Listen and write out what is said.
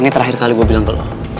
ini terakhir kali gue bilang ke lo